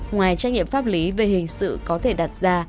ngoài trách nhiệm pháp lý về hình sự có thể đặt ra